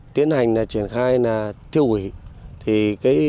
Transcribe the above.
tiến hành triển khai tiêu hủy